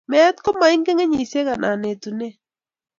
Meet komaingen kenyisiek anan ko etunet